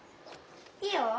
いいよ。